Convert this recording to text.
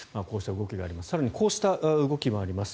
こうした動きがあります。